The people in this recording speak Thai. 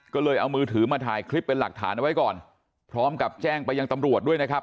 ก็เลยเอามือถือมาถ่ายคลิปเป็นหลักฐานเอาไว้ก่อนพร้อมกับแจ้งไปยังตำรวจด้วยนะครับ